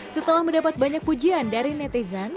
setelah mendapat banyak pujian dari netizen